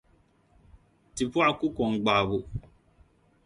Tipɔɣu ku kɔŋ gbaɣibu.